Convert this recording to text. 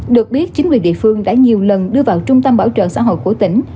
được biết chính quyền địa phương đã nhiều lần đưa vào trung tâm bảo trợ xã hội của tỉnh